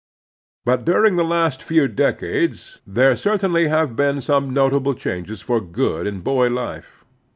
But during the last few decades there certainly have been some nota ble changes for good in boy life.